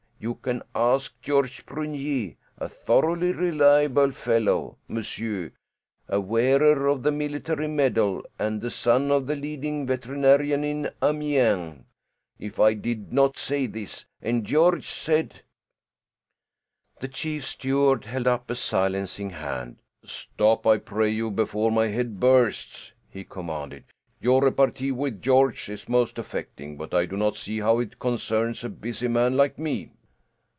You can ask Georges Prunier a thoroughly reliable fellow, monsieur, a wearer of the military medal, and the son of the leading veterinarian in Amiens if I did not say this. And Georges said " The chief steward held up a silencing hand. "Stop, I pray you, before my head bursts," he commanded. "Your repartee with Georges is most affecting, but I do not see how it concerns a busy man like me."